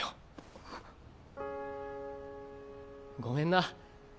ごめんな。